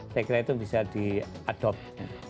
saya kira itu bisa diadopt